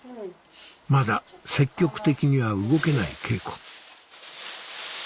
まだ積極的には動けない敬子